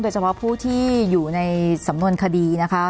เฉพาะผู้ที่อยู่ในสำนวนคดีนะคะ